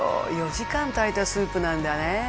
４時間炊いたスープなんだね